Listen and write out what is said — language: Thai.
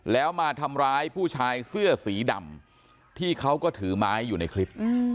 แล้วมาทำร้ายผู้ชายเสื้อสีดำที่เขาก็ถือไม้อยู่ในคลิป